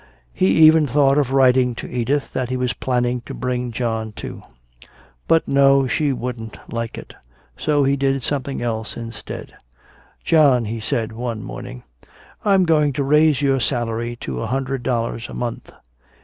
He even thought of writing to Edith that he was planning to bring John, too. But no, she wouldn't like it. So he did something else instead. "John," he said, one morning, "I'm going to raise your salary to a hundred dollars a month."